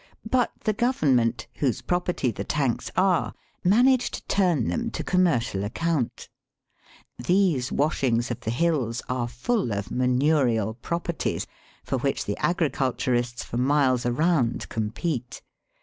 But the Govern ment, whose property the tanks are, manage to turn them to commercial account. These washings of the hills are full of manmial pro perties, for which the agriculturists for miles around compete.